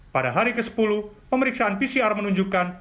pada hari ke sepuluh pemeriksaan pcr menunjukkan